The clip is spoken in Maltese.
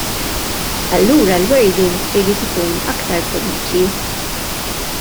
Allura l-wording irid ikun aktar feliċi!